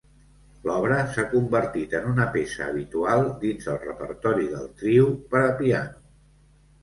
L'obra s'ha convertit en una peça habitual dins el repertori del trio per a piano.